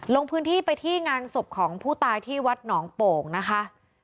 ลงพื้นที่ไปที่งานศพของผู้ตายที่วัดหนองโป่งนะคะ